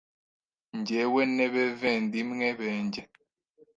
njyewe n’ebevendimwe benjye,